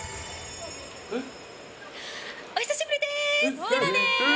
お久しぶりです。